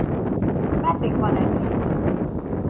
Meddig van ez így?